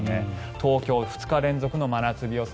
東京、２日連続の真夏日予想。